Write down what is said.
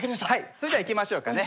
それではいきましょうかね。